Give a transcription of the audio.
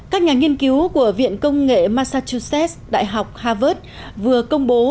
các nhà nghiên cứu của viện công nghệ massachusetts đại học harvard vừa công bố